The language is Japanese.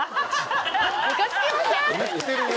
ムカつきません？